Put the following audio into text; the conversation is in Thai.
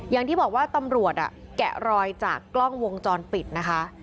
อย่างที่บอกว่าตำรวจแกะรอยจากกล้องวงจรปิดนะคะ